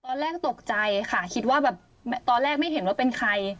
ตอนแรกตกใจค่ะคิดว่าแบบตอนแรกไม่เห็นว่าเป็นใคร